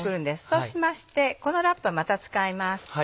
そうしましてこのラップはまた使います。